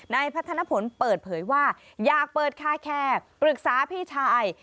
พัฒนผลเปิดเผยว่าอยากเปิดคาแคร์ปรึกษาพี่ชาย